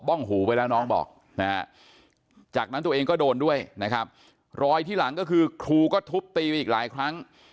้องหูไปแล้วน้องบอกนะฮะจากนั้นตัวเองก็โดนด้วยนะครับรอยที่หลังก็คือครูก็ทุบตีไปอีกหลายครั้ง